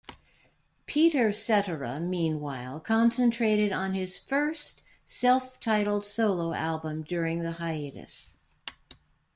Peter Cetera, meanwhile, concentrated on his first self-titled solo album during the hiatus.